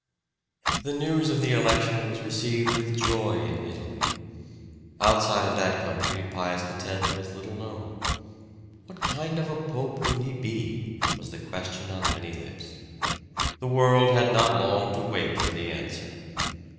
The news of the election was received with joy in Italy. Outside of that country Pius X was little known. "What kind of a pope will he be?" was the question on many lips. The world had not long to wait for the answer.